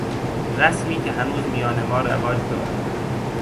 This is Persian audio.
رسمی که هنوز میان ما رواج دارد